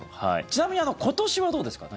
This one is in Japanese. ちなみに今年はどうですか？